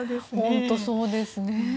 本当そうですね。